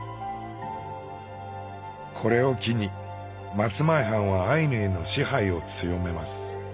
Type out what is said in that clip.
これを機に松前藩はアイヌへの支配を強めます。